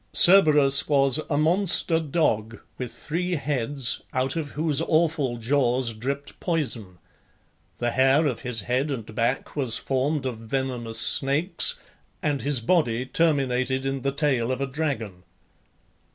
Cerberus was a monster dog with three heads, out of whose awful jaws dripped poison; the hair of his head and back was formed of venomous snakes, and his body terminated in the tail of a dragon.